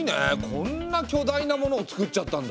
こんな巨大なものをつくっちゃったんだ！